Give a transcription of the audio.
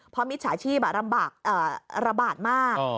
เพราะมิจฉาชีพระบาดมาก